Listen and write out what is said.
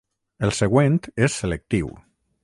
El següent és selectiu.